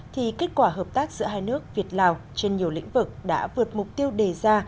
thì kết quả hợp tác giữa hai nước việt lào trên nhiều lĩnh vực đã vượt mục tiêu đề ra